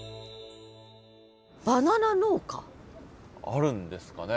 あるんですかね？